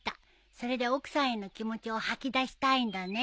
それで奥さんへの気持ちを吐き出したいんだね。